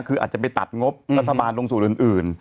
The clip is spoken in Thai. คืออาจจะไปตัดงบรัฐบาลลงสู่อื่น